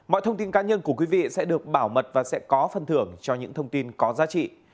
mọi thông tin cá nhân của quý vị sẽ được bảo mật và sẽ có phần thưởng cho những thông tin có giá trị